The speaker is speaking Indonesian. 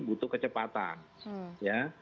butuh kecepatan ya